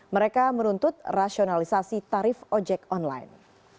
mereka menuntut rasionalisasi tarif ojek online